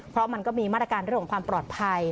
เพราะมันก็มีมาตรการเรื่องของความปลอดภัย